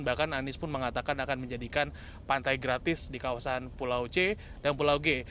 bahkan anies pun mengatakan akan menjadikan pantai gratis di kawasan pulau c dan pulau g